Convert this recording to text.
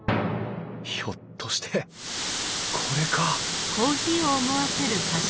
ひょっとしてこれか？